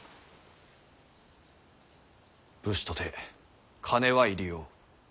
武士とて金は入り用。